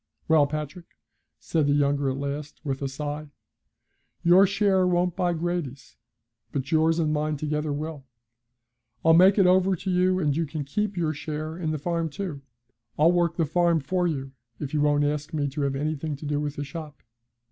'Well, Patrick,' said the other at last, with a sigh, 'your share won't buy Grady's, but yours and mine together will. I'll make it over to you, and you can keep your share in the farm too. I'll work the farm for you if you won't ask me to have anything to do with the shop.